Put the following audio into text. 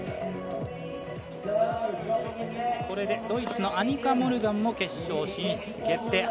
これでドイツのアニカ・モルガンも決勝進出決定。